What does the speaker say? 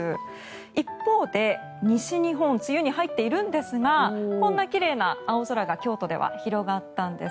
一方で、西日本梅雨に入っているんですがこんな奇麗な青空が京都で広がったんです。